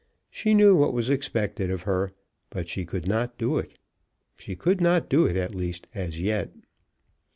She knew what was expected of her; but she could not do it; she could not do it at least as yet.